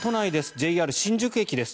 ＪＲ新宿駅です。